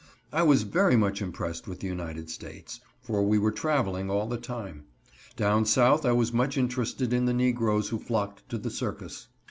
I was very much impressed with the United States, for we were traveling all the time. Down South I was much interested in the negroes who flocked to the circus.